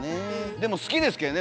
でも好きですけどね